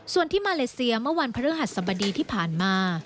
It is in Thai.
ส่วนที่มาเลเซียเมื่อวันพฤหัสสบดีที่ผ่านมา